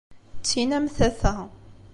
Ttin am tata.